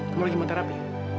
kamu lagi mau terapi